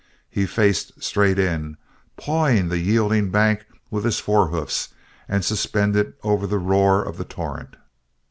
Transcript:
He faced straight in, pawing the yielding bank with his forehoofs and suspended over the roar of the torrent.